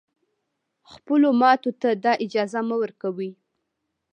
خپلو ماتو ته دا اجازه مه ورکوی